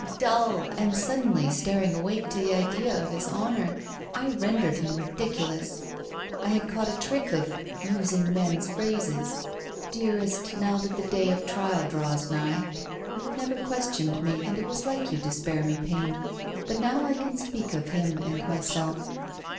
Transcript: Dull, and suddenly staring awake to the idea of his honour. I "rendered" him ridiculous I had caught a trick of "using men's phrases." Dearest, now that the day of trial draws nigh you have never questioned me, and it was like you to spare me pain but now I can speak of him and myself.'